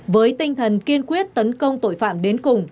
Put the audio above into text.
với tinh thần kiên quyết tấn công tội phạm đến cùng